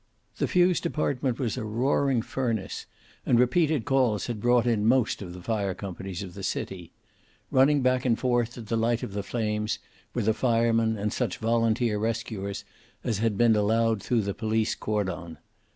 The fuse department was a roaring furnace, and repeated calls had brought in most of the fire companies of the city. Running back and forth in the light of the flames were the firemen and such volunteer rescuers as had been allowed through the police cordon.